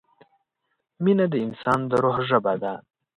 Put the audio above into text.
مینه د انسان د روح ژبه ده.